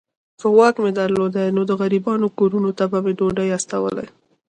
که واک مي درلودای نو د غریبانو کورونو ته به مي ډوډۍ استولې.